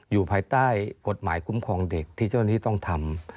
อยู่ภายใต้กฎหมายคุ้มครองเด็กที่เจ้าหน้าที่ต้องทำ